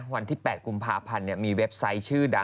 วันที่๘กุมภาพันธ์มีเว็บไซต์ชื่อดัง